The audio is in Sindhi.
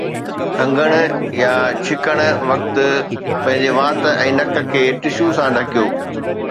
کنگڻ يا ڇڻڻ وقت پنهنجي وات ۽ نڪ کي ٽشو سان ڍڪيو